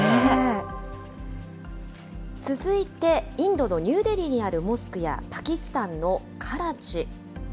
続いてインドのニューデリーにある、モスクやパキスタンのカラチ。